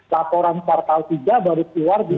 laporan kuartal tiga baru keluar di